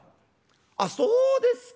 あっそうですか。